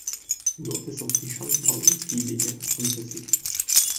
Dort ist auch die Schandmaul GbR ansässig.